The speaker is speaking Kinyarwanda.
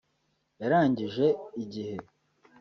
yarangije igihe